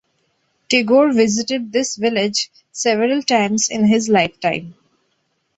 Tagore visited this Village several times in his lifetime.